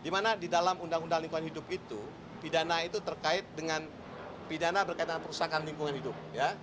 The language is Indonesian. dimana di dalam undang undang lingkungan hidup itu pidana itu terkait dengan pidana berkaitan perusahaan lingkungan hidup